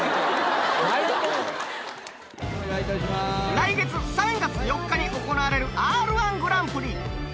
来月３月４日に行われるＲ−１グランプリ。